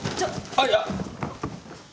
あっいや。